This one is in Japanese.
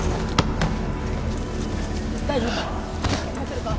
大丈夫か？